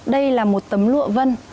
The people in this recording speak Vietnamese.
đây là một tấm lụa vân